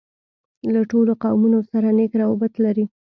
له ټولو قومونوسره نېک راوبط لري.